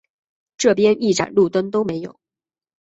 这边一盏路灯都没有